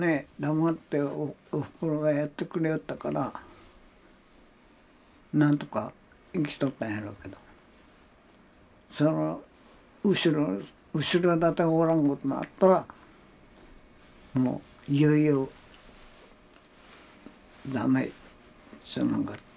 黙っておふくろがやってくれよったから何とか生きとったんやろうけどその後ろ盾がおらんごとなったらもういよいよダメっちゅうのが。